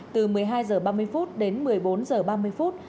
từ một mươi hai h ba mươi đến một mươi bốn h ba mươi phút